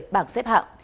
bảng xếp hạng